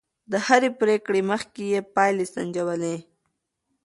د هرې پرېکړې مخکې يې پايلې سنجولې.